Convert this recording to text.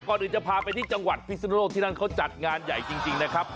ก่อนอื่นจะพาไปที่จังหวัดพิศนุโลกที่นั่นเขาจัดงานใหญ่จริงนะครับ